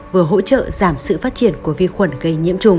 vừa hỗ trợ giảm sự phát triển của vi khuẩn gây nhiễm trùng